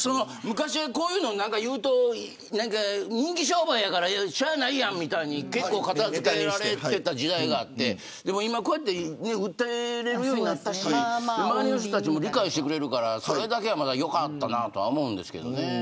昔はこういうこと言うと人気商売やからしゃあないやんみたいに結構、片付けられていた時代があって今こうやって訴えられるようになったし周りの人たちも理解してくれるからそれだけは良かったと思います。